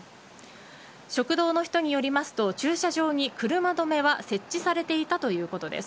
食堂の人によりますと駐車場に車止めは設置されていたということです。